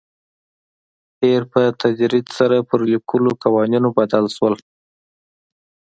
هیر په تدریج سره پر لیکلو قوانینو بدل شول.